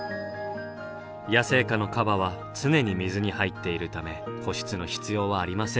野生下のカバは常に水に入っているため保湿の必要はありませんが。